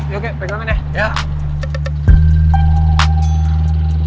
yoke pegangin deh